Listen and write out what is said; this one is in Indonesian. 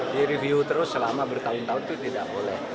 direview terus selama bertahun tahun itu tidak boleh